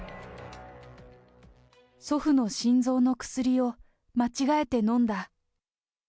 祖父の心臓の薬を間違えて飲んだ。